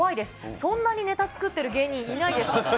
そんなにネタ作ってる芸人いないです。